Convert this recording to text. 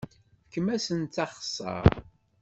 Fkemt-asent axeṣṣar!